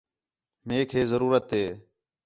میک ہے ضرورت ہے